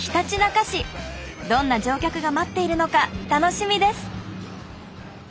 どんな乗客が待っているのか楽しみです。